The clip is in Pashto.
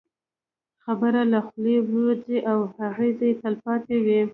خبره له خولې ووځي، خو اغېز یې تل پاتې وي.